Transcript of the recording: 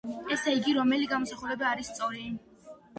ესე იგი, რომელი გამოსახულება არის სწორი?